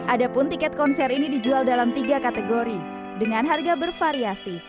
ada pun tiket konser ini dijual dalam tiga kategori dengan harga bervariasi